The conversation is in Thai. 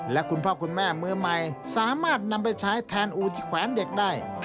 และคุณพ่อคุณแม่มือใหม่สามารถนำไปใช้แทนอูที่แขวนเด็กได้